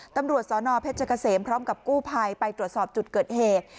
ตำรวจสนเพชรเกษมพร้อมกับกู้ภัยไปตรวจสอบจุดเกิดเหตุ